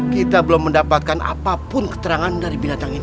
kita belum mendapatkan apapun keterangan dari binatang ini